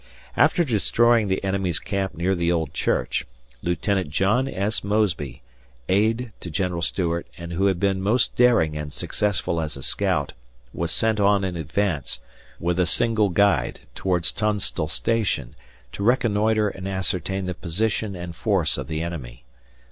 After destroying the enemy's camp near the old church, Lieutenant John S. Mosby, aid to General Stuart and who had been most daring and successful as a scout was sent on in advance, with a single guide, towards Tunstall Station, to reconnoitre and ascertain the position and force of the enemy.